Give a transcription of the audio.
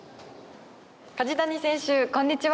梶谷選手、こんにちは。